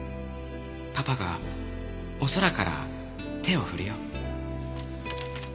「パパがお空から手を振るよ」